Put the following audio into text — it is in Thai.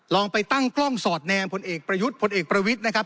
ลองไปตั้งกล้องสอดแนมพลเอกประยุทธ์พลเอกประวิทย์นะครับ